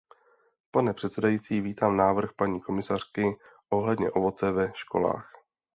Pane předsedající, vítám návrh paní komisařky ohledně ovoce ve školách.